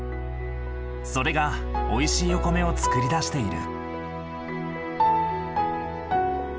それがおいしいお米をつくり出している。